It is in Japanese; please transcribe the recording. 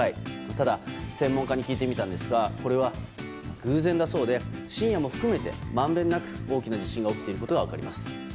ただ専門家に聞いてみたんですがこれは偶然だそうで深夜も含めて満遍なく大きな地震が起きていることが分かります。